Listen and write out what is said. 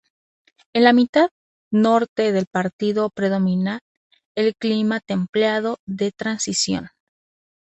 En la mitad norte del partido predomina el clima templado de transición.